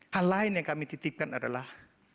hal lain yang kami titipkan adalah